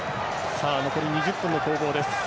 残り２０分の攻防です。